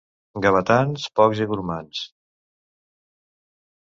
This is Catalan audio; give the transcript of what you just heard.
Gavetans, pocs i gormands.